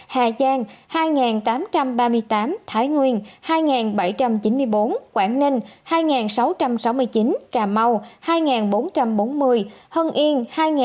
hà giang hai tám trăm ba mươi tám thái nguyên hai bảy trăm chín mươi bốn quảng ninh hai sáu trăm sáu mươi chín cà mau hai bốn trăm bốn mươi hân yên hai bốn trăm hai mươi bốn